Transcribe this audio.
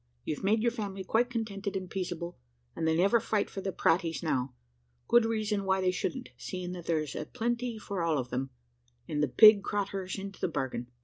You've made your family quite contented and peaceable and they never fight for the praties now good reason why they shouldn't, seeing that there's a plenty for all of them, and the pig craturs into the bargain.